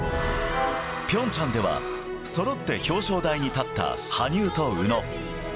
ピョンチャンでは、そろって表彰台に立った羽生と宇野。